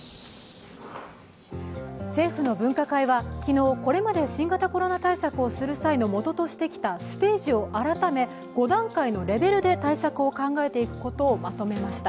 政府の分科会は昨日これまで新型コロナ対策をするためのもととするステージを改め５段階のレベルで対策を考えていくことをまとめました。